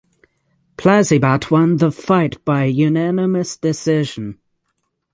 Plazibat won the fight by unanimous decision.